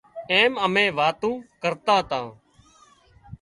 ايم ملينَ واتون ڪرتان تان